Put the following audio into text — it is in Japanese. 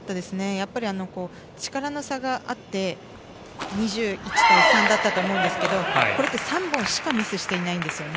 やっぱり力の差があって２１対３だったと思うんですがこれって３本しかミスしていないんですよね。